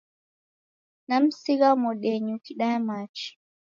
Namsigha modenyi ukidaya machi.